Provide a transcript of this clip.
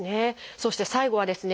そして最後はですね